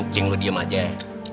cing lo diem aja ya